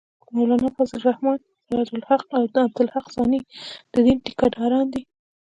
مولانا فضل الرحمن ، سراج الحق او عبدالحق ثاني د دین ټېکه داران دي